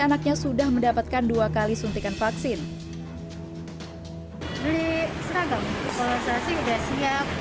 anaknya sudah mendapatkan dua kali suntikan vaksin beli seragam kalau saya sih udah siap